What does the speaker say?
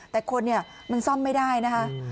แต่คนเนี่ยมันซ่อมไม่ได้นะคะ